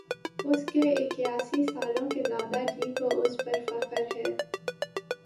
اُس کے اِکیاسی سالوں کے دادا جی کو اُس پر فخر ہے